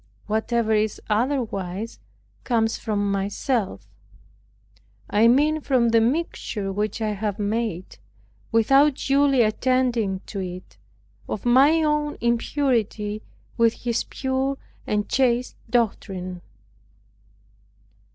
Whatever is otherwise from myself; I mean from the mixture which I have made, without duly attending to it, of my own impurity with his pure and chaste doctrine.